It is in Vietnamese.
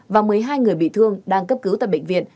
và một mươi hai người bị thương đang cấp cứu tại bệnh viện